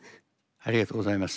ありがとうございます。